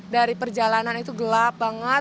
dari perjalanan itu gelap banget